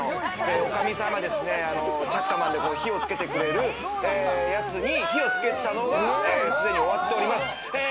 女将さんがですね、チャッカマンで火をつけてくれるやつに、火をつけたのがすでに終わっております。